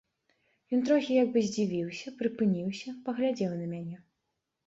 Ён трохі як бы здзівіўся, прыпыніўся, паглядзеў на мяне.